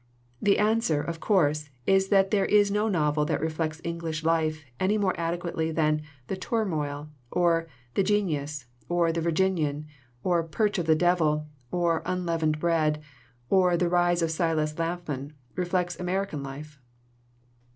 The answer, of course, is that there is no novel that reflects English life any more ade quately than The Turmoil, or ' The Genius,' or The Virginian, or Perch of the Devil, or Unleavened Bread, or The Rise of Silas Lapham reflects Ameri can life.